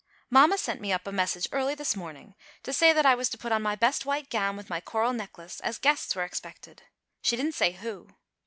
Mamma sent me up a message early this morning to say that I was to put on my best white gown with my coral necklace, as guests were expected. She didn't say who.